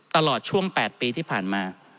ตลอดช่วง๘ปีที่ผ่านมา